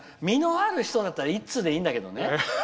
実のある人だったら１通でいいんだけどね。